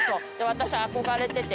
私憧れてて。